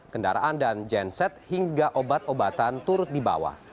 kendaraan dan genset hingga obat obatan turut dibawa